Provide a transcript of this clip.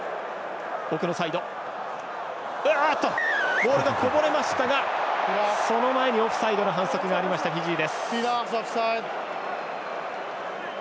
ボールがこぼれましたがその前にオフサイドの反則フィジー。